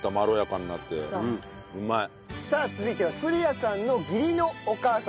さあ続いては古谷さんの義理のお母様です。